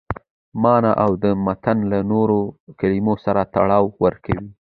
مانا او د متن له نورو کلمو سره تړاو ورکوي.